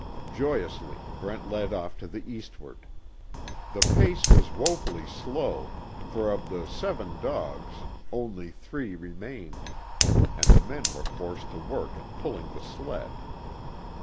Joyously, Brent led off to the eastward. The pace was woefully slow, for of the seven dogs, only three remained, and the men were forced to work at pulling the sled.